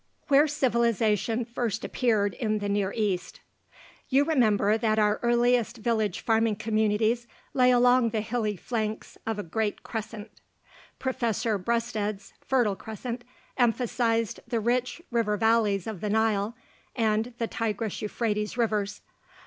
WHERE CIVILIZATION FIRST APPEARED IN THE NEAR EAST You remember that our earliest village farming communities lay along the hilly flanks of a great "crescent." (See map on p. 125.) Professor Breasted's "fertile crescent" emphasized the rich river valleys of the Nile and the Tigris Euphrates Rivers.